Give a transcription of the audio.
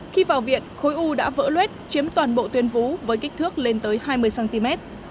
khi vào viện khối u đã vỡ luết chiếm toàn bộ tuyên vú với kích thước lên tới hai mươi cm